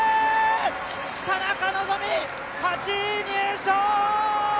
田中希実、８位入賞！